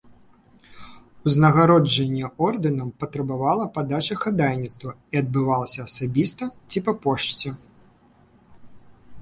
Узнагароджанне ордэнам патрабавала падачы хадайніцтва і адбывалася асабіста ці па пошце.